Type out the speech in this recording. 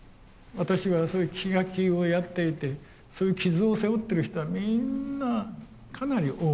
私はそういう聞き書きをやっていてそういう傷を背負ってる人はみんなかなり多い。